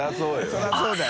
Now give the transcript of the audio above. それはそうだよ。